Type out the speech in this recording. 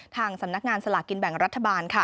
ทางสำนักงานสลากกินแบ่งรัฐบาล